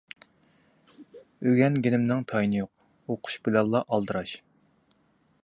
ئۆگەنگىنىمنىڭ تايىنى يوق، ئوقۇش بىلەنلا ئالدىراش.